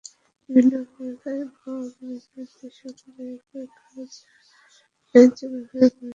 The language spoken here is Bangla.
বিভিন্ন উপায়ে বা ভিন্ন উদ্দেশ্যে করা একই কাজ ন্যায্য ব্যবহারের মর্যাদা অর্জন করতে বা হারাতে পারে।